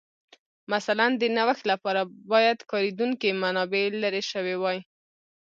مثلاً د نوښت لپاره باید کارېدونکې منابع لرې شوې وای